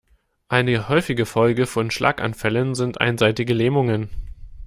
Eine häufige Folge von Schlaganfällen sind einseitige Lähmungen.